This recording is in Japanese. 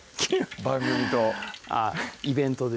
番組とあっイベントで？